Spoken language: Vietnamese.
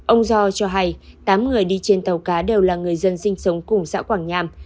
ông do cho hay tám người đi trên tàu cá đều là người dân sinh sống cùng xã quảng nham